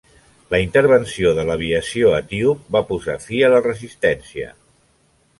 La intervenció de l'aviació etíop va posar fi a la resistència.